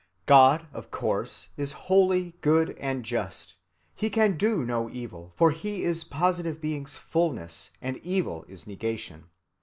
God of course is holy, good, and just. He can do no evil, for He is positive being's fullness, and evil is negation.